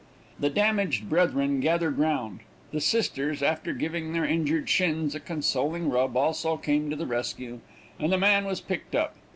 The damaged brethren gathered round; the sisters, after giving their injured shins a consoling rub, also came to the rescue, and the man was picked up.